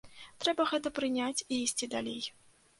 Трэба гэта прыняць і ісці далей.